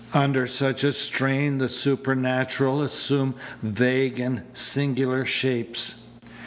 Under such a strain the supernatural assumed vague and singular shapes.